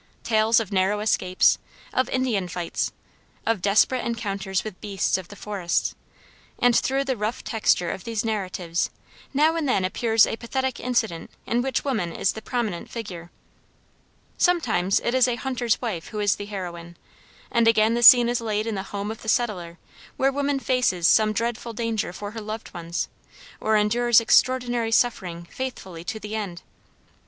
Tales of narrow escapes, of Indian fights, of desperate encounters with beasts of the forests; and through the rough texture of these narratives now and then appears a pathetic incident in which woman is the prominent figure. Sometimes it is a hunter's wife who is the heroine, and again the scene is laid in the home of the settler, where woman faces some dreadful danger for her loved ones, or endures extraordinary suffering faithfully to the end.